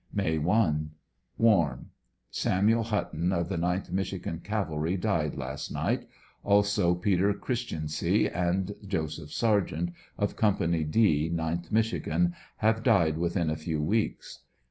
May 1. — Warm. Samuel Hutton, of the 9th Mich. Cavalry, died last night; also Peter Christiancy and Joseph Sargent, of Co. D, 9tli Mich., have died within a few weeks.